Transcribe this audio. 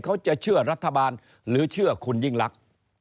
เขาจะเชื่อรัฐบาลหรือเชื่อคุณยิ่งลักษณ์